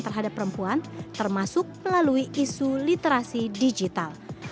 terhadap perempuan termasuk melalui isu literasi digital